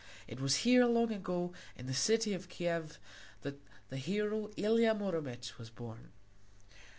It was here, long ago, in the city of Kiev, that the hero Ilia Muromec was born.